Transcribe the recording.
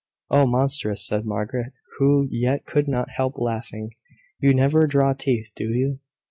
"Oh, monstrous!" said Margaret, who yet could not help laughing. "You never draw teeth, do you?"